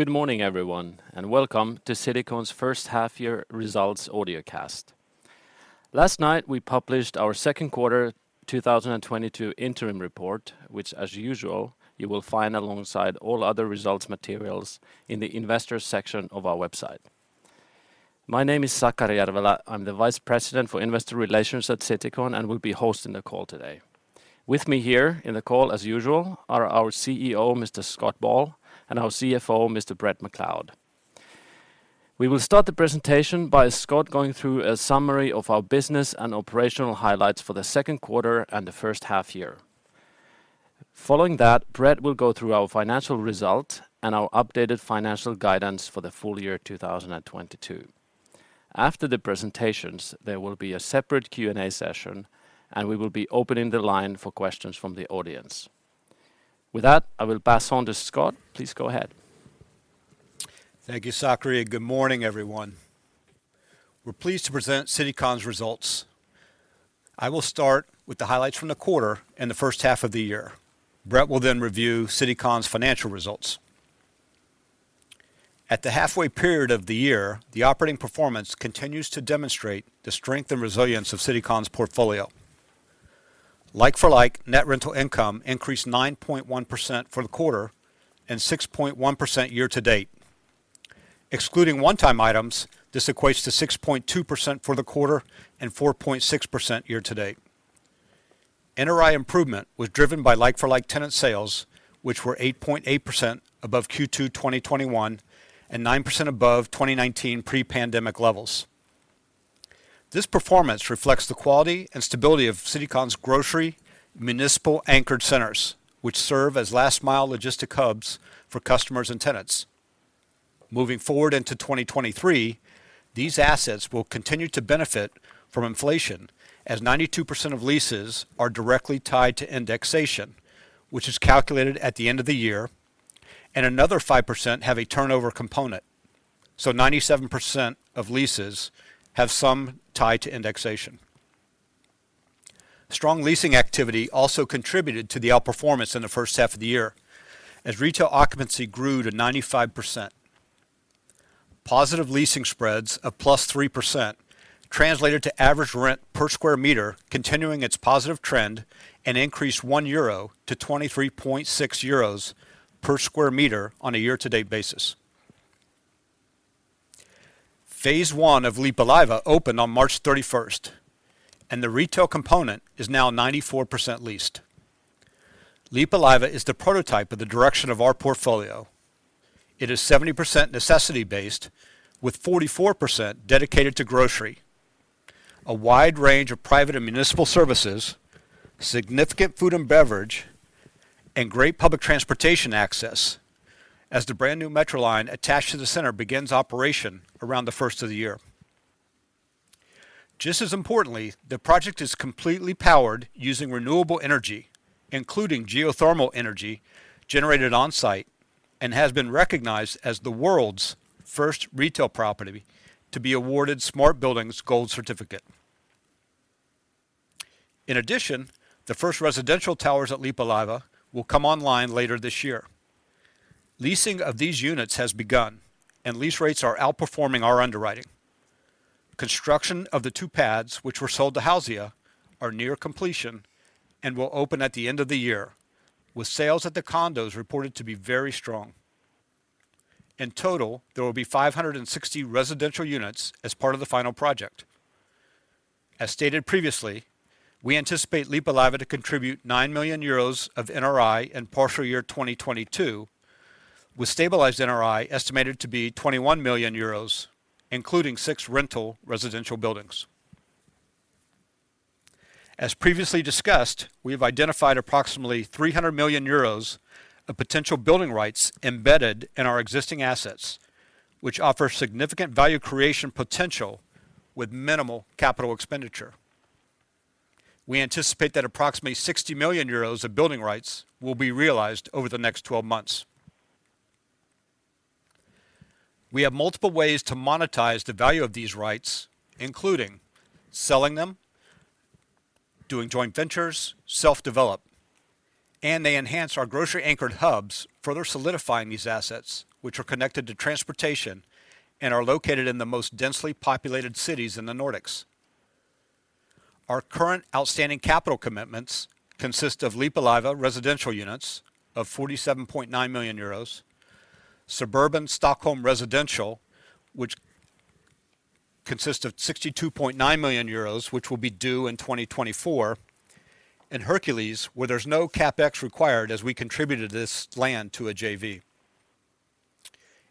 Good morning everyone, and welcome to Citycon's first half year results audiocast. Last night we published our second quarter 2022 interim report, which as usual, you will find alongside all other results materials in the investors section of our website. My name is Sakari Järvelä. I'm the Vice President for Investor Relations at Citycon and will be hosting the call today. With me here in the call as usual, are our CEO, Mr. Scott Ball, and our CFO, Mr. Bret McLeod. We will start the presentation by Scott going through a summary of our business and operational highlights for the second quarter and the first half year. Following that, Brett will go through our financial result and our updated financial guidance for the full year 2022. After the presentations, there will be a separate Q&A session, and we will be opening the line for questions from the audience. With that, I will pass on to Scott. Please go ahead. Thank you, Sakari, and good morning everyone. We're pleased to present Citycon's results. I will start with the highlights from the quarter and the first half of the year. Bret will then review Citycon's financial results. At the halfway period of the year, the operating performance continues to demonstrate the strength and resilience of Citycon's portfolio. Like for like, net rental income increased 9.1% for the quarter and 6.1% year-to-date. Excluding one-time items, this equates to 6.2% for the quarter and 4.6% year-to-date. NRI improvement was driven by like for like tenant sales, which were 8.8 above Q2 2021 and 9% above 2019 pre-pandemic levels. This performance reflects the quality and stability of Citycon's grocery-anchored centers, which serve as last mile logistic hubs for customers and tenants. Moving forward into 2023, these assets will continue to benefit from inflation as 92% of leases are directly tied to indexation, which is calculated at the end of the year, and another 5% have a turnover component. 97% of leases have some tie to indexation. Strong leasing activity also contributed to the outperformance in the first half of the year as retail occupancy grew to 95%. Positive leasing spreads of +3% translated to average rent per sq m continuing its positive trend and increased 1 euro to 23.6 euros per sq m on a year-to-date basis. Phase one of Lippulaiva opened on March 31st, and the retail component is now 94% leased. Lippulaiva is the prototype of the direction of our portfolio. It is 70% necessity-based, with 44% dedicated to grocery. A wide range of private and municipal services, significant food and beverage, and great public transportation access as the brand new metro line attached to the center begins operation around the first of the year. Just as importantly, the project is completely powered using renewable energy, including geothermal energy generated on-site, and has been recognized as the world's first retail property to be awarded Smart Building Gold Certificate. In addition, the first residential towers at Lippulaiva will come online later this year. Leasing of these units has begun, and lease rates are outperforming our underwriting. Construction of the two pads, which were sold to Hausia, are near completion and will open at the end of the year, with sales at the condos reported to be very strong. In total, there will be 560 residential units as part of the final project. As stated previously, we anticipate Lippulaiva to contribute 9 million euros of NRI in partial year 2022, with stabilized NRI estimated to be 21 million euros, including six rental residential buildings. As previously discussed, we have identified approximately 300 million euros of potential building rights embedded in our existing assets, which offer significant value creation potential with minimal capital expenditure. We anticipate that approximately 60 million euros of building rights will be realized over the next 12 months. We have multiple ways to monetize the value of these rights, including selling them, doing joint ventures, self-develop, and they enhance our grocery anchored hubs, further solidifying these assets, which are connected to transportation and are located in the most densely populated cities in the Nordics. Our current outstanding capital commitments consist of Lippulaiva residential units of 47.9 million euros, suburban Stockholm residential, which consists of 62.9 million euros, which will be due in 2024, and Herkules, where there's no CapEx required as we contributed this land to a JV.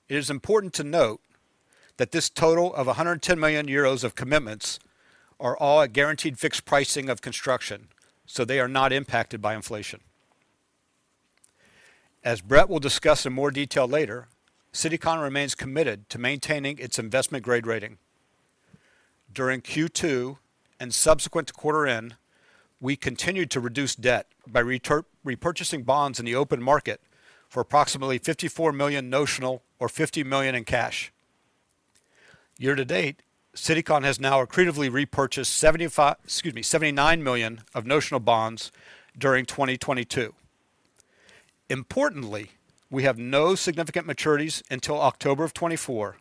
It is important to note that this total of 110 million euros of commitments are all at guaranteed fixed pricing of construction, so they are not impacted by inflation. As Bret will discuss in more detail later, Citycon remains committed to maintaining its investment grade rating. During Q2 and subsequent to quarter end, we continued to reduce debt by repurchasing bonds in the open market for approximately 54 million notional or 50 million in cash. Year-to-date, Citycon has now accretively repurchased 79 million of notional bonds during 2022. Importantly, we have no significant maturities until October 2024.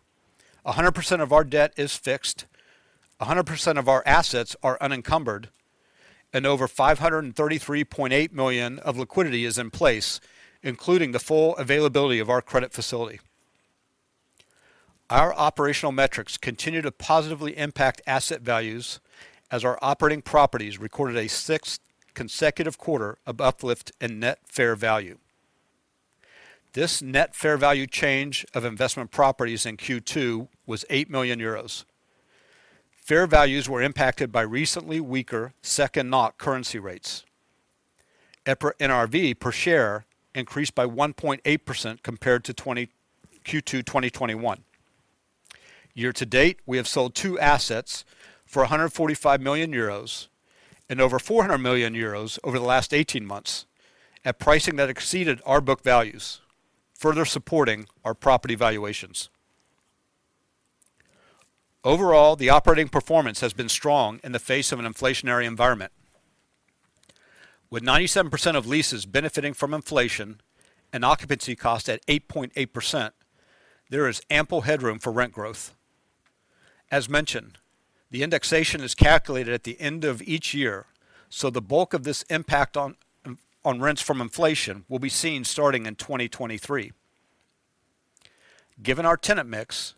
100% of our debt is fixed, 100% of our assets are unencumbered, and over 533.8 million of liquidity is in place, including the full availability of our credit facility. Our operational metrics continue to positively impact asset values as our operating properties recorded a sixth consecutive quarter of uplift in net fair value. This net fair value change of investment properties in Q2 was 8 million euros. Fair values were impacted by recently weaker SEK and NOK currency rates. EPRA NRV per share increased by 1.8% compared to Q2 2021. Year-to-date, we have sold two assets for 145 million euros and over 400 million euros over the last eighteen months at pricing that exceeded our book values, further supporting our property valuations. Overall, the operating performance has been strong in the face of an inflationary environment. With 97% of leases benefiting from inflation and occupancy cost at 8.8%, there is ample headroom for rent growth. As mentioned, the indexation is calculated at the end of each year, so the bulk of this impact on rents from inflation will be seen starting in 2023. Given our tenant mix,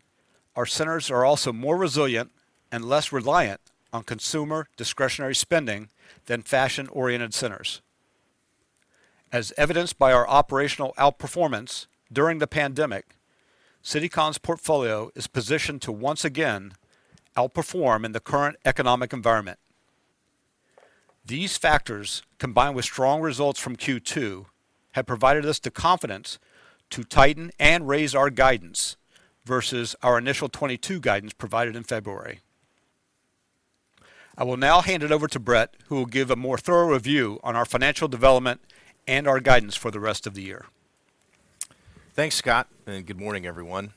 our centers are also more resilient and less reliant on consumer discretionary spending than fashion-oriented centers. As evidenced by our operational outperformance during the pandemic, Citycon's portfolio is positioned to once again outperform in the current economic environment. These factors, combined with strong results from Q2, have provided us the confidence to tighten and raise our guidance versus our initial 2022 guidance provided in February. I will now hand it over to Bret, who will give a more thorough review on our financial development and our guidance for the rest of the year. Thanks, Scott, and good morning, everyone.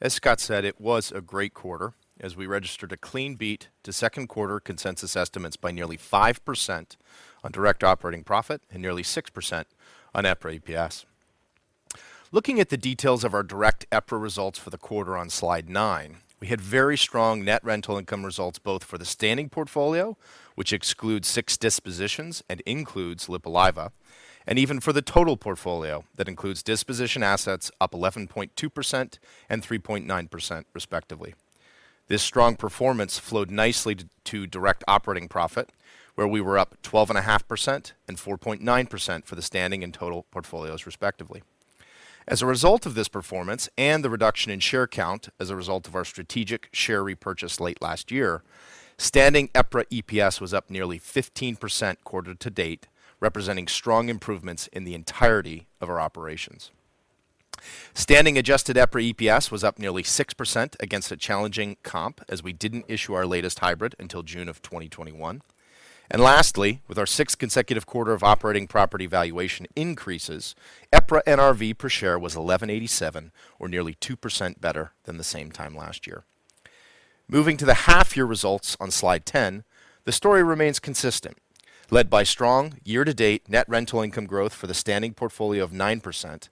As Scott said, it was a great quarter as we registered a clean beat to second quarter consensus estimates by nearly 5% on direct operating profit and nearly 6% on EPRA EPS. Looking at the details of our direct EPRA results for the quarter on Slide 9, we had very strong net rental income results both for the standing portfolio, which excludes six dispositions and includes Lippulaiva, and even for the total portfolio that includes disposition assets up 11.2% and 3.9% respectively. This strong performance flowed nicely to direct operating profit, where we were up 12.5% and 4.9% for the standing and total portfolios respectively. As a result of this performance and the reduction in share count as a result of our strategic share repurchase late last year, standing EPRA EPS was up nearly 15% quarter-to-date, representing strong improvements in the entirety of our operations. Standing adjusted EPRA EPS was up nearly 6% against a challenging comp as we didn't issue our latest hybrid until June of 2021. Lastly, with our sixth consecutive quarter of operating property valuation increases, EPRA NRV per share was 1,187 or nearly 2% better than the same time last year. Moving to the half year results on Slide 10, the story remains consistent, led by strong year-to-date net rental income growth for the standing portfolio of 9%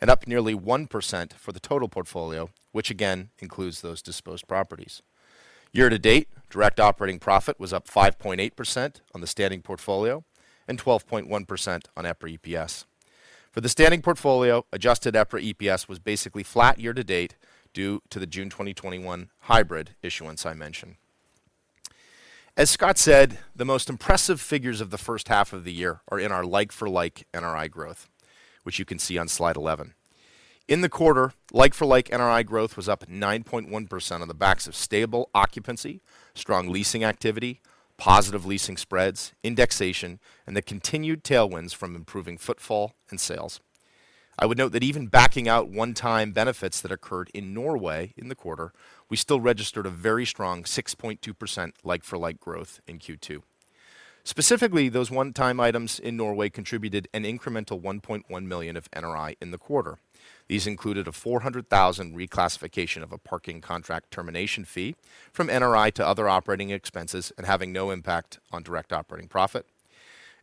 and up nearly 1% for the total portfolio, which again includes those disposed properties. Year-to-date, direct operating profit was up 5.8% on the standing portfolio and 12.1% on EPRA EPS. For the standing portfolio, adjusted EPRA EPS was basically flat year-to-date due to the June 2021 hybrid issuance I mentioned. As Scott said, the most impressive figures of the first half of the year are in our like-for-like NRI growth, which you can see on Slide 11. In the quarter, like-for-like NRI growth was up 9.1% on the back of stable occupancy, strong leasing activity, positive leasing spreads, indexation, and the continued tailwinds from improving footfall and sales. I would note that even backing out one-time benefits that occurred in Norway in the quarter, we still registered a very strong 6.2% like-for-like growth in Q2. Specifically, those one-time items in Norway contributed an incremental 1.1 million of NRI in the quarter. These included a 400 thousand reclassification of a parking contract termination fee from NRI to other operating expenses and having no impact on direct operating profit.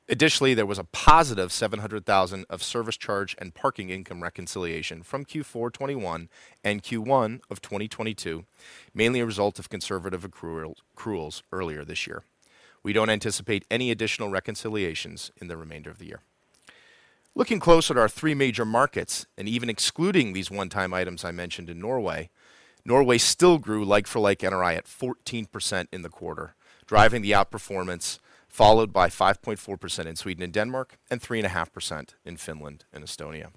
Additionally, there was a positive 700,000 of service charge and parking income reconciliation from Q4 2021 and Q1 2022, mainly a result of conservative accruals earlier this year. We don't anticipate any additional reconciliations in the remainder of the year. Looking closely at our three major markets, even excluding these one-time items I mentioned in Norway still grew like-for-like NRI at 14% in the quarter, driving the outperformance, followed by 5.4% in Sweden and Denmark and 3.5% in Finland and Estonia.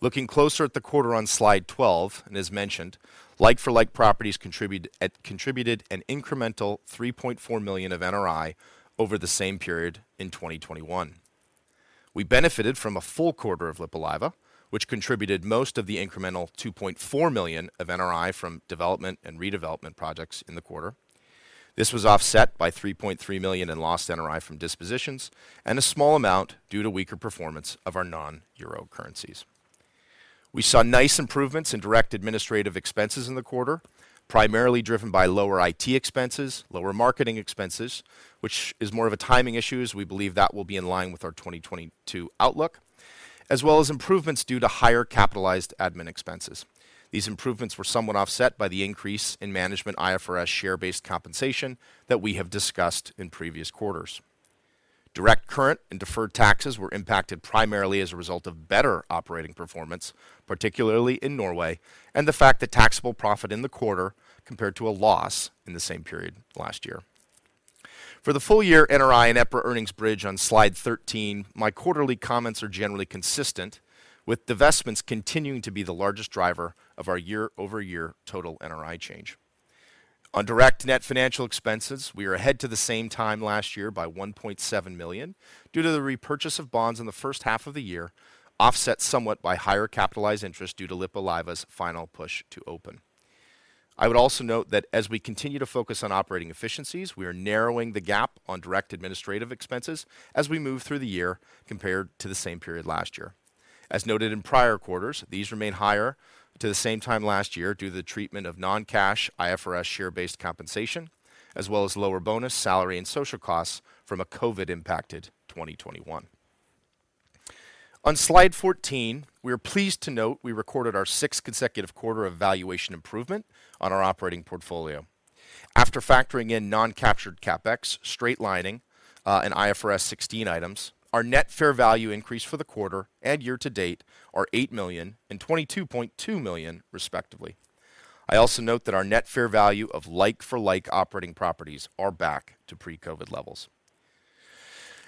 Looking closer at the quarter on Slide 12, as mentioned, like-for-like properties contributed an incremental 3.4 million of NRI over the same period in 2021. We benefited from a full quarter of Lippulaiva, which contributed most of the incremental 2.4 million of NRI from development and redevelopment projects in the quarter. This was offset by 3.3 million in lost NRI from dispositions and a small amount due to weaker performance of our non-euro currencies. We saw nice improvements in direct administrative expenses in the quarter, primarily driven by lower IT expenses, lower marketing expenses, which is more of a timing issue as we believe that will be in line with our 2022 outlook, as well as improvements due to higher capitalized admin expenses. These improvements were somewhat offset by the increase in management IFRS share-based compensation that we have discussed in previous quarters. Direct current and deferred taxes were impacted primarily as a result of better operating performance, particularly in Norway, and the fact that taxable profit in the quarter compared to a loss in the same period last year. For the full year NRI and EPRA earnings bridge on Slide 13, my quarterly comments are generally consistent, with divestments continuing to be the largest driver of our year-over-year total NRI change. On direct net financial expenses, we are ahead of the same time last year by 1.7 million due to the repurchase of bonds in the first half of the year, offset somewhat by higher capitalized interest due to Lippulaiva's final push to open. I would also note that as we continue to focus on operating efficiencies, we are narrowing the gap on direct administrative expenses as we move through the year compared to the same period last year. As noted in prior quarters, these remain higher to the same time last year due to the treatment of non-cash IFRS share-based compensation, as well as lower bonus salary and social costs from a COVID impacted 2021. On Slide 14, we are pleased to note we recorded our sixth consecutive quarter of valuation improvement on our operating portfolio. After factoring in non-captured CapEx, straight-lining, and IFRS 16 items, our net fair value increase for the quarter and year-to-date are 8 million and 22.2 million, respectively. I also note that our net fair value of like for like operating properties are back to pre-COVID levels.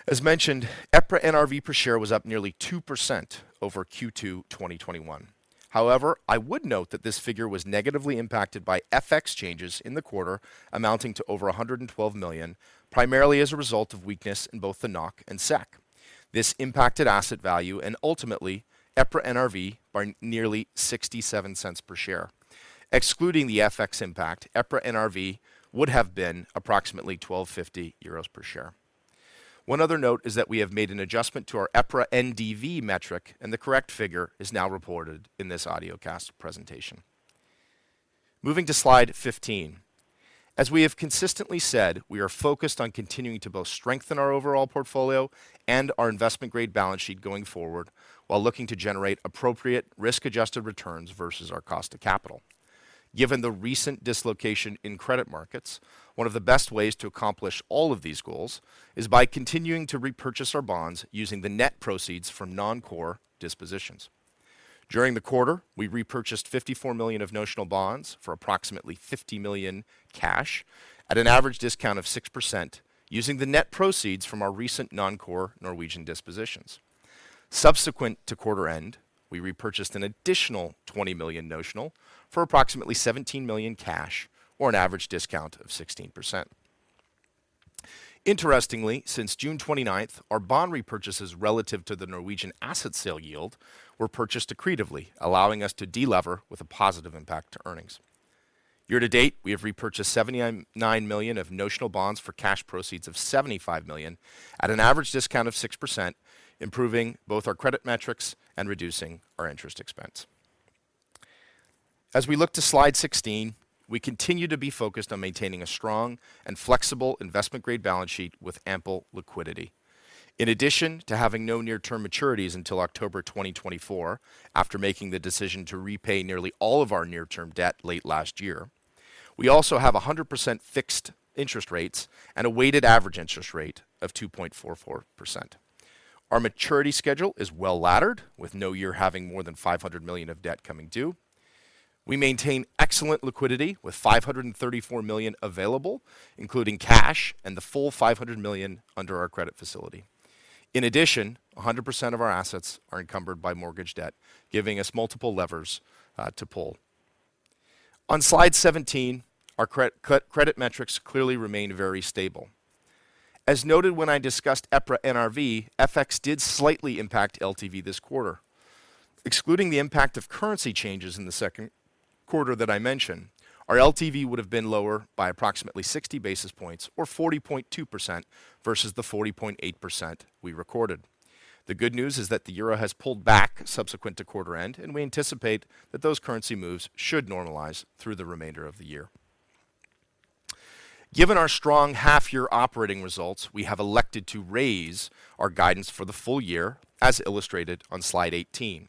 As mentioned, EPRA NRV per share was up nearly 2% over Q2 2021. However, I would note that this figure was negatively impacted by FX changes in the quarter amounting to over 112 million, primarily as a result of weakness in both the NOK and SEK. This impacted asset value and ultimately EPRA NRV by nearly 0.67 per share. Excluding the FX impact, EPRA NRV would have been approximately 12.50 euros per share. One other note is that we have made an adjustment to our EPRA NDV metric, and the correct figure is now reported in this audiocast presentation. Moving to Slide 15. We have consistently said, we are focused on continuing to both strengthen our overall portfolio and our investment grade balance sheet going forward while looking to generate appropriate risk-adjusted returns versus our cost of capital. Given the recent dislocation in credit markets, one of the best ways to accomplish all of these goals is by continuing to repurchase our bonds using the net proceeds from non-core dispositions. During the quarter, we repurchased 54 million of notional bonds for approximately 50 million cash at an average discount of 6% using the net proceeds from our recent non-core Norwegian dispositions. Subsequent to quarter end, we repurchased an additional 20 million notional for approximately 17 million cash at an average discount of 16%. Interestingly, since June 29, our bond repurchases relative to the Norwegian asset sale yield were purchased accretively, allowing us to delever with a positive impact to earnings. Year-to-date, we have repurchased 79 million of notional bonds for cash proceeds of 75 million at an average discount of 6%, improving both our credit metrics and reducing our interest expense. As we look to Slide 16, we continue to be focused on maintaining a strong and flexible investment grade balance sheet with ample liquidity. In addition to having no near-term maturities until October 2024, after making the decision to repay nearly all of our near-term debt late last year, we also have 100% fixed interest rates and a weighted average interest rate of 2.44%. Our maturity schedule is well-laddered, with no year having more than 500 million of debt coming due. We maintain excellent liquidity with 534 million available, including cash and the full 500 million under our credit facility. In addition, 100% of our assets are encumbered by mortgage debt, giving us multiple levers to pull. On Slide 17, our credit metrics clearly remain very stable. As noted when I discussed EPRA NRV, FX did slightly impact LTV this quarter. Excluding the impact of currency changes in the second quarter that I mentioned, our LTV would have been lower by approximately 60 basis points or 40.2% versus the 40.8% we recorded. The good news is that the euro has pulled back subsequent to quarter end, and we anticipate that those currency moves should normalize through the remainder of the year. Given our strong half-year operating results, we have elected to raise our guidance for the full year as illustrated on Slide 18.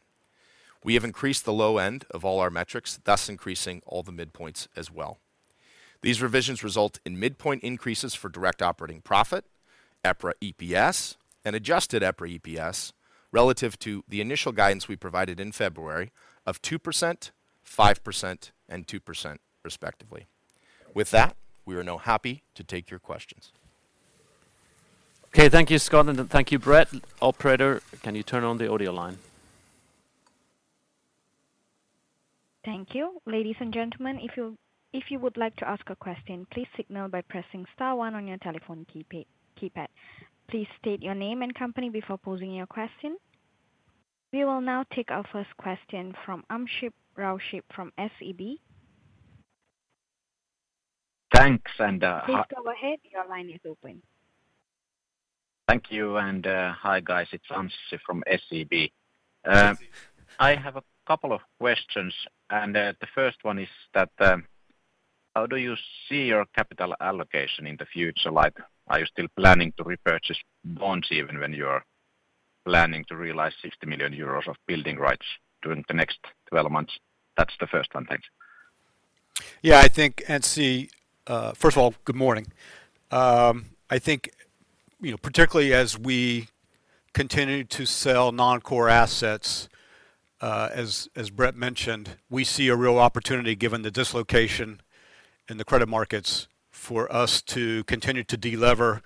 We have increased the low end of all our metrics, thus increasing all the midpoints as well. These revisions result in midpoint increases for direct operating profit, EPRA EPS, and adjusted EPRA EPS relative to the initial guidance we provided in February of 2%, 5%, and 2% respectively. With that, we are now happy to take your questions. Okay. Thank you, Scott, and thank you, Bret. Operator, can you turn on the audio line? Thank you. Ladies and gentlemen, if you would like to ask a question, please signal by pressing star one on your telephone keypad. Please state your name and company before posing your question. We will now take our first question from Anssi Raussi from SEB. Thanks. Please go ahead. Your line is open. Thank you. Hi guys. It's Anssi from SEB. I have a couple of questions, and the first one is that, how do you see your capital allocation in the future? Like, are you still planning to repurchase bonds even when you are planning to realize 60 million euros of building rights during the next 12 months? That's the first one. Thanks. Yeah, I think, Anssi, first of all, good morning. I think, you know, particularly as we continue to sell non-core assets, as Bret mentioned, we see a real opportunity given the dislocation in the credit markets for us to continue to delever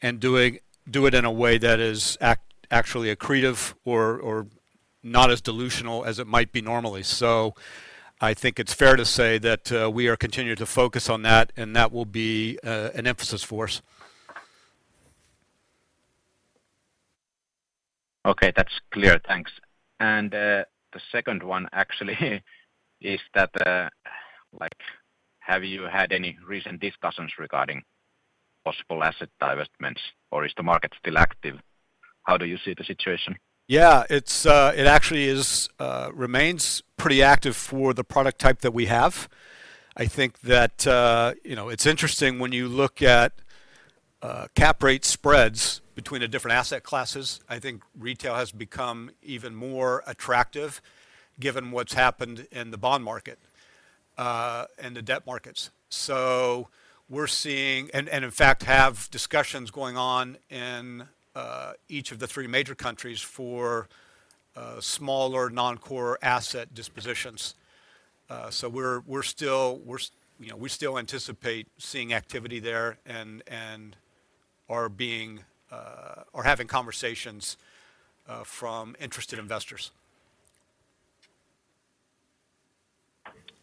and do it in a way that is actually accretive or not as dilutive as it might be normally. I think it's fair to say that, we are continuing to focus on that, and that will be an emphasis for us. Okay. That's clear. Thanks. The second one actually is that, like, have you had any recent discussions regarding possible asset divestments, or is the market still active? How do you see the situation? Yeah. It actually remains pretty active for the product type that we have. I think that, you know, it's interesting when you look at cap rate spreads between the different asset classes. I think retail has become even more attractive given what's happened in the bond market and the debt markets. We're seeing, and in fact, have discussions going on in each of the three major countries for smaller non-core asset dispositions. We're still, you know, we still anticipate seeing activity there and are having conversations from interested investors.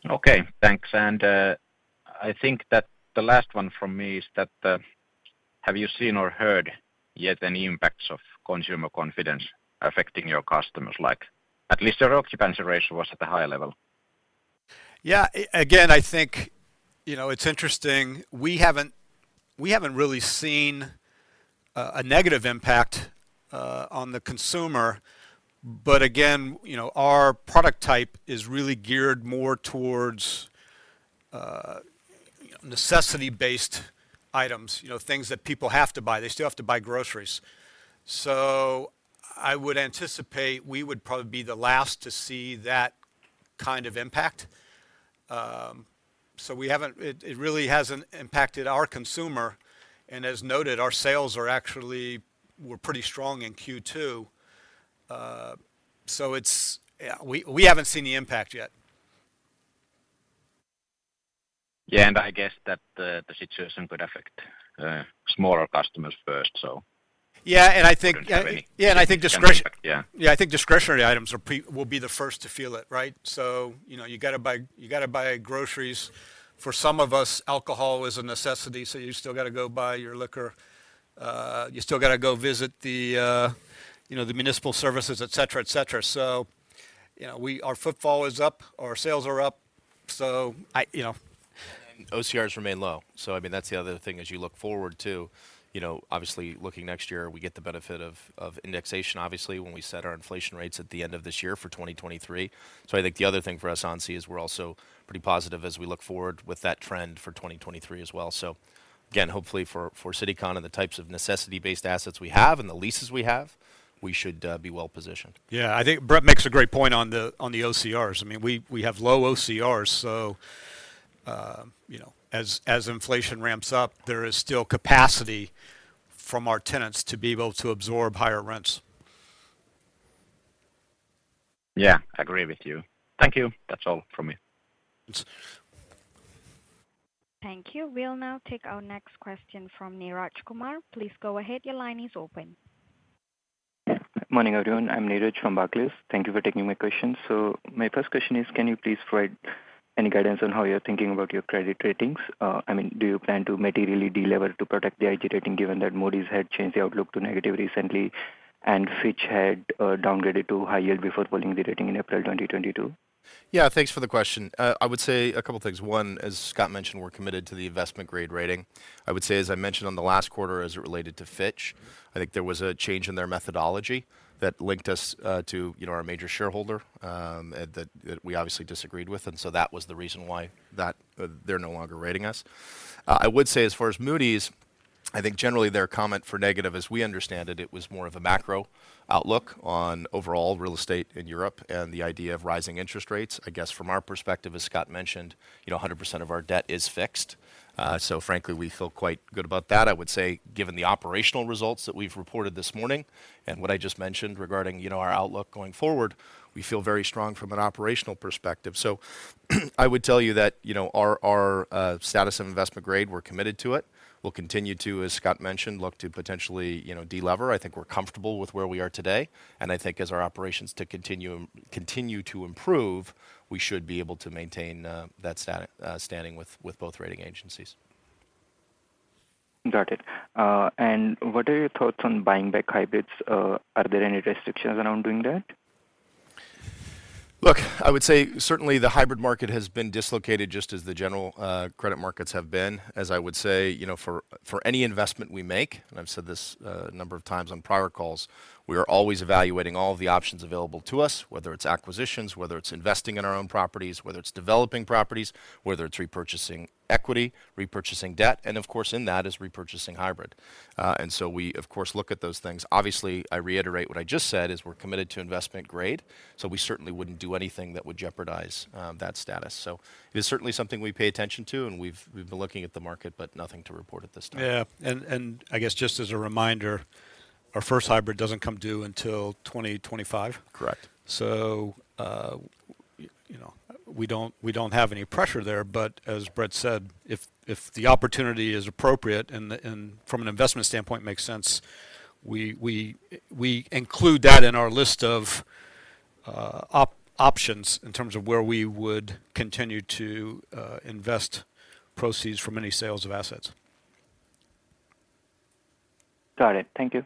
Okay. Thanks. I think that the last one from me is that, have you seen or heard yet any impacts of consumer confidence affecting your customers? Like, at least your occupancy ratio was at a high level. Yeah. I think, you know, it's interesting. We haven't really seen a negative impact on the consumer. Again, you know, our product type is really geared more towards necessity-based items, you know, things that people have to buy. They still have to buy groceries. I would anticipate we would probably be the last to see that kind of impact. We haven't. It really hasn't impacted our consumer. As noted, our sales were pretty strong in Q2. We haven't seen the impact yet. Yeah. I guess that the situation could affect smaller customers first, so. Yeah. I think discretion. Yeah. Yeah. I think discretionary items will be the first to feel it, right? You know, you gotta buy groceries. For some of us, alcohol is a necessity, so you still gotta go buy your liquor. You still gotta go visit the municipal services, et cetera. Our footfall is up, our sales are up. You know. Then OCRs remain low. I mean, that's the other thing as you look forward to. You know, obviously, looking next year, we get the benefit of indexation, obviously, when we set our inflation rates at the end of this year for 2023. I think the other thing for us, Anssi, is we're also pretty positive as we look forward with that trend for 2023 as well. Again, hopefully for Citycon and the types of necessity-based assets we have and the leases we have, we should be well-positioned. Yeah. I think Bret makes a great point on the OCRs. I mean, we have low OCRs, so, you know, as inflation ramps up, there is still capacity from our tenants to be able to absorb higher rents. Yeah. I agree with you. Thank you. That's all from me. Thank you. We'll now take our next question from Neeraj Kumar. Please go ahead. Your line is open. Morning, everyone. I'm Neeraj from Barclays. Thank you for taking my question. My first question is, can you please provide any guidance on how you're thinking about your credit ratings? I mean, do you plan to materially delever to protect the IG rating given that Moody's had changed the outlook to negative recently, and Fitch had downgraded to high yield before pulling the rating in April 2022? Yeah. Thanks for the question. I would say a couple things. One, as Scott mentioned, we're committed to the investment grade rating. I would say, as I mentioned on the last quarter as it related to Fitch, I think there was a change in their methodology that linked us to, you know, our major shareholder, that we obviously disagreed with, and that was the reason why they're no longer rating us. I would say as far as Moody's, I think generally their negative comment, as we understand it was more of a macro outlook on overall real estate in Europe and the idea of rising interest rates. I guess from our perspective, as Scott mentioned, you know, 100% of our debt is fixed. Frankly, we feel quite good about that. I would say, given the operational results that we've reported this morning and what I just mentioned regarding, you know, our outlook going forward, we feel very strong from an operational perspective. I would tell you that, you know, our status of investment grade, we're committed to it. We'll continue to, as Scott mentioned, look to potentially, you know, delever. I think we're comfortable with where we are today. I think as our operations continue to improve, we should be able to maintain that standing with both rating agencies. Got it. What are your thoughts on buying back hybrids? Are there any restrictions around doing that? Look, I would say certainly the hybrid market has been dislocated just as the general credit markets have been. As I would say, you know, for any investment we make, and I've said this a number of times on prior calls, we are always evaluating all of the options available to us, whether it's acquisitions, whether it's investing in our own properties, whether it's developing properties, whether it's repurchasing equity, repurchasing debt, and of course in that is repurchasing hybrid. We of course look at those things. Obviously, I reiterate what I just said is we're committed to investment grade, so we certainly wouldn't do anything that would jeopardize that status. It is certainly something we pay attention to, and we've been looking at the market, but nothing to report at this time. I guess just as a reminder, our first hybrid doesn't come due until 2025. Correct. You know, we don't have any pressure there. But as Bret said, if the opportunity is appropriate and from an investment standpoint makes sense, we include that in our list of options in terms of where we would continue to invest proceeds from any sales of assets. Got it. Thank you.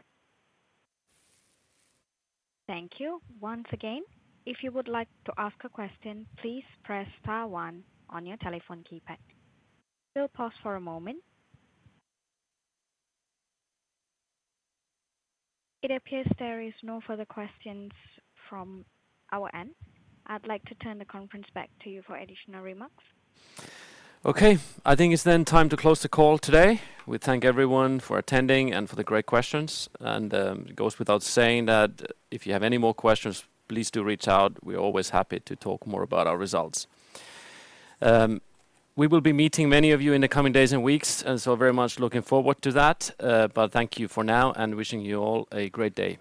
Thank you. Once again, if you would like to ask a question, please press star one on your telephone keypad. We'll pause for a moment. It appears there is no further questions from our end. I'd like to turn the conference back to you for additional remarks. Okay. I think it's then time to close the call today. We thank everyone for attending and for the great questions. It goes without saying that if you have any more questions, please do reach out. We're always happy to talk more about our results. We will be meeting many of you in the coming days and weeks, and so very much looking forward to that. Thank you for now and wishing you all a great day.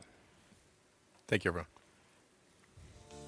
Thank you, everyone.